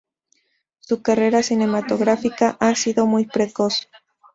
Su carrera cinematográfica ha sido muy precoz.